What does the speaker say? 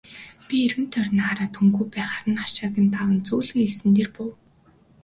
Би эргэн тойрноо хараад хүнгүй байхаар нь хашааг даван зөөлхөн элсэн дээр буув.